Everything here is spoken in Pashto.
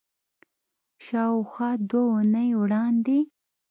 شاوخوا دوه اونۍ وړاندې